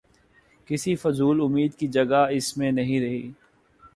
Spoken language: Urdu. کسی فضول امید کی جگہ اس میں نہیں رہی۔